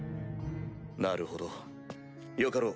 なるほどよかろう。